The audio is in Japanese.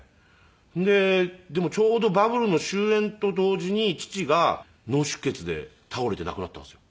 ででもちょうどバブルの終焉と同時に父が脳出血で倒れて亡くなったんですよ。